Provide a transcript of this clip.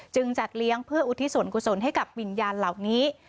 จึงจัดเลี้ยงเพื่ออุทิสนกฏรสนให้กับวิญญาณเหล่านี้